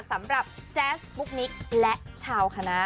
สำหรับแจ๊สบุ๊กนิกและชาวคณะ